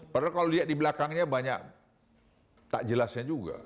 padahal kalau dilihat di belakangnya banyak tak jelasnya juga